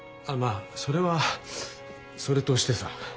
あそれはそれとしてさ。